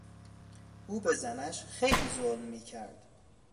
او به زنش خیلی ظلم میکرد.